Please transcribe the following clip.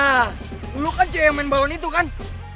nah lu kan juga yang main bawen itu kan